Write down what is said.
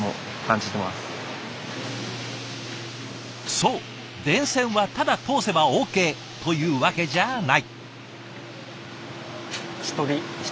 そう電線はただ通せばＯＫというわけじゃない。